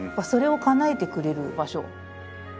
それをかなえてくれる場所